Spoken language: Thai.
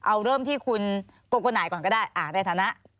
เอาเริ่มที่คุณโกโกนายก่อนก็ได้ในฐานะ